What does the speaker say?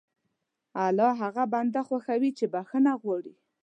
الله هغه بنده خوښوي چې بښنه غواړي.